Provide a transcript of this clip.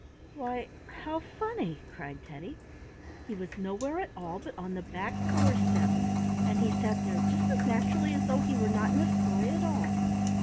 "Why, how funny!" cried Teddy. He was nowhere at all but on the back door step, and he sat there just as naturally as though he were not in a story at all.